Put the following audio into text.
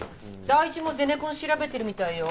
ダイイチもゼネコン調べてるみたいよ。